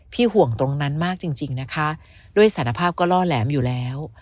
ห่วงตรงนั้นมากจริงนะคะด้วยสารภาพก็ล่อแหลมอยู่แล้ว